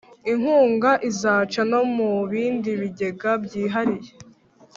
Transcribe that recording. inkunga izaca no mu bindi bigega byihariye.